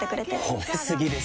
褒め過ぎですよ。